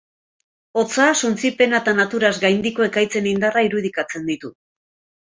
Hotsa, suntsipena eta naturaz gaindiko ekaitzen indarra irudikatzen ditu.